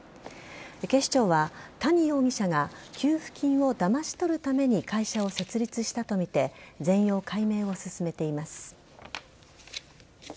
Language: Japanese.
警視庁は、谷容疑者が給付金をだまし取るために会社を設立したとみて全容解明を進めています。